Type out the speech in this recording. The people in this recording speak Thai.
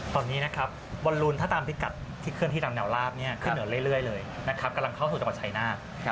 ตอนนี้นี่นะครับบรรลุนถ้าตามพิกัดเครื่องที่ตามแนวลาบขึ้นเหนือเรื่อยเลยการเข้าสู่จังหว่าไชนาค